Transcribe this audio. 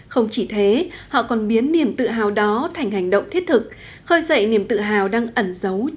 không chỉ thế họ còn biến niềm tự hào đó thành hành động thiết thực khơi dậy niềm tự hào đang ẩn dấu trong mỗi người để cùng nhau giữ gìn văn hóa truyền thống